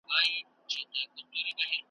ستا هینداره ونیسم څوک خو به څه نه وايي `